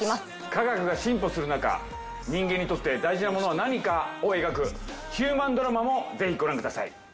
科学が進歩する中、人間にとって大事なものは何かを描くヒューマンドラマもぜひご覧ください。